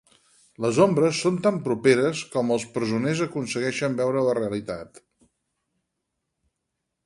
Les ombres són tan properes com els presoners aconsegueixen veure la realitat.